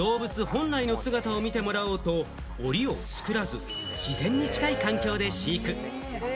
動物本来の姿を見てもらおうと檻をつくらず、自然に近い環境で飼育。